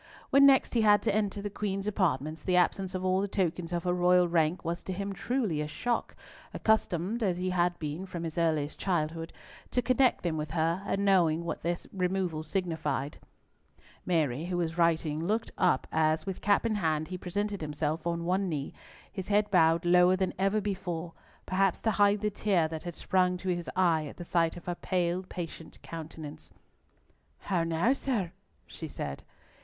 When next he had to enter the Queen's apartments, the absence of all the tokens of her royal rank was to him truly a shock, accustomed as he had been, from his earliest childhood, to connect them with her, and knowing what their removal signified. Mary, who was writing, looked up as, with cap in hand, he presented himself on one knee, his head bowed lower than ever before, perhaps to hide the tear that had sprung to his eye at sight of her pale, patient countenance. "How now, sir?" she said.